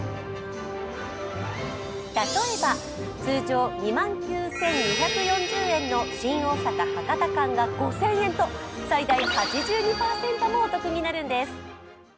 例えば通常、２万９２４０円の新大阪−博多間が５０００円と最大８２％もお得になるんです。